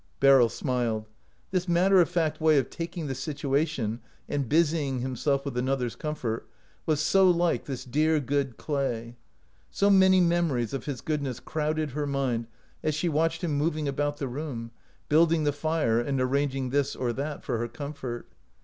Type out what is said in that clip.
Beryl smiled. This matter of fact way of taking the situation and busying himself with another's comfort was so like this dear, good Clay. So many memories of his goodness crowded her mind as she watched him moving about the room, building the fire, and arranging this or that for her com fort.